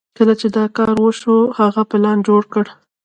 کله چې دا کار وشو هغه پلان جوړ کړ.